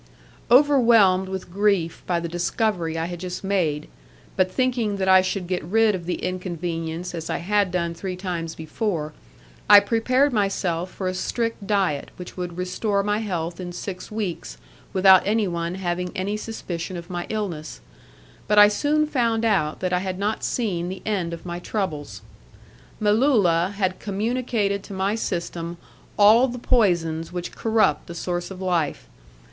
Overwhelmed with grief by the discovery I had just made, but thinking that I should get rid of the inconvenience as I had done three times before, I prepared myself for a strict diet, which would restore my health in six weeks without anyone having any suspicion of my illness, but I soon found out that I had not seen the end of my troubles; Melulla had communicated to my system all the poisons which corrupt the source of life.